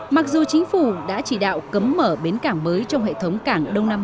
mặc dù chính phủ đã chỉ đạo cấm mở bến cảng mới trong hệ thống cảng đông nam